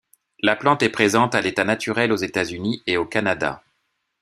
La plante est présente à l'état naturel aux États-Unis et au Canada.